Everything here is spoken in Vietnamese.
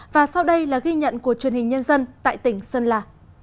và sau đây là ghi nhận của truyền hình nhân dân tại tỉnh sơn la